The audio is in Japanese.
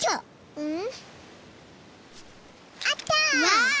うん？